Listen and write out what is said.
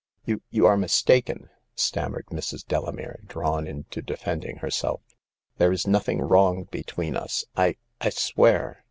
You — you are mistaken," stammered Mrs. Delamere, drawn into defending herself. " There is nothing wrong between us, I — I swear."